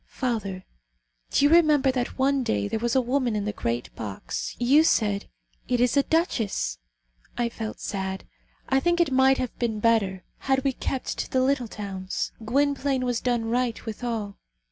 Father, do you remember that one day there was a woman in the great box; you said: 'It is a duchess.' I felt sad. I think it might have been better had we kept to the little towns. Gwynplaine has done right, withal.